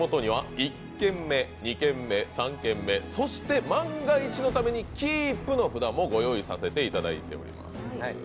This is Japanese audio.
１軒目、２軒目、３軒目、万が一のためにキープの札もご用意させていただいています。